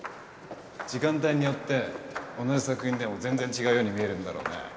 時間帯によって同じ作品でも全然違うように見えるんだろうね。